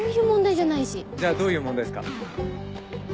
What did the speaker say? じゃあどういう問題っすか？